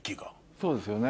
そうですよね。